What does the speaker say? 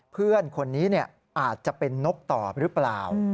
เพื่อนคนนี้อาจจะเป็นนกต่อหรือเปล่า